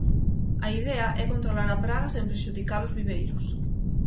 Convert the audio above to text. A idea é controlar a praga sen prexudicar os viveiros.